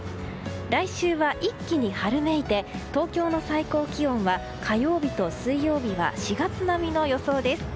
来週は一気に春めいて東京の最高気温は火曜日と水曜日は４月並みの予想です。